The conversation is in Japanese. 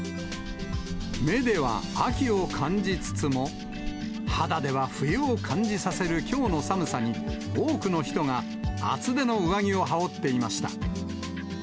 目では秋を感じつつも、肌では冬を感じさせるきょうの寒さに、多くの人が厚手の上着を羽織っていました。